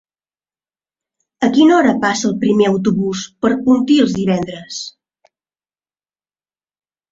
A quina hora passa el primer autobús per Pontils divendres?